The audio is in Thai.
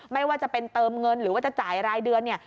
ไม่ว่าจะเป็นเติมเงินหรือว่าจะจ่ายรายเดือนเนี่ย